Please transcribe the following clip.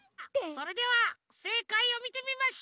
それではせいかいをみてみましょう。